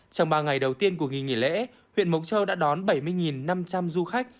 trong ba ngày đầu tiên của nghỉ nghỉ lễ huyện mộc châu đã đón bảy mươi năm trăm linh du khách